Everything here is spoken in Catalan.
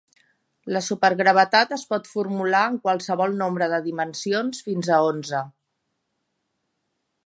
La supergravetat es pot formular en qualsevol nombre de dimensions fins a onze.